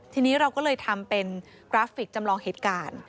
ทีนี้เราก็เลยทำเป็นกราฟิกจำลองเหตุการณ์